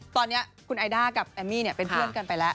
ตอนนี้คุณไอด้ากับแอมมี่เป็นเพื่อนกันไปแล้ว